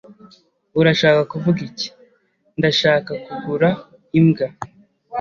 "Urashaka kugura iki?" "Ndashaka kugura imbwa."